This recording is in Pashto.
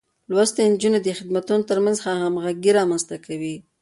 لوستې نجونې د خدمتونو ترمنځ همغږي رامنځته کوي.